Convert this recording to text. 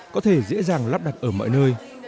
có thể dễ dàng lắp đặt ở mọi nơi